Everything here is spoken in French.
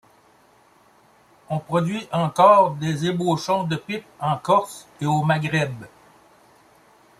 On produit encore des ébauchons de pipes en Corse et au Maghreb.